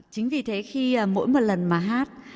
chính vì thế khi mỗi một lần mà hát